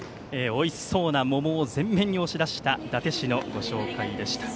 おいしそうなももを前面に押し出した伊達市のご紹介でした。